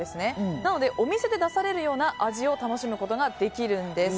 なので、お店で出されるような味を楽しむことができるんです。